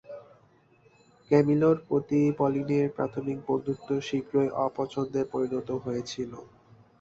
ক্যামিলোর প্রতি পলিনের প্রাথমিক বন্ধুত্ব শীঘ্রই অপছন্দে পরিণত হয়েছিল।